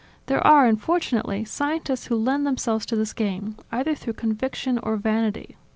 There are, unfortunately, scientists who lend themselves to this game, either through conviction or vanity.